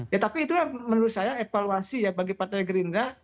ya tapi itu menurut saya evaluasi ya bagi partai gerindra